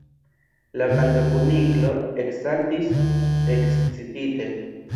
La Blanka Kuniklo eksaltis ekscitite.